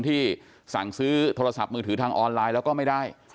ที่สั่งซื้อโทรศัพท์มือถือทางออนไลน์แล้วก็ไม่ได้